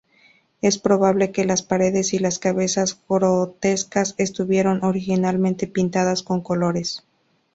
Es probable que las paredes y las cabezas grotescas estuvieran originalmente pintadas con colores.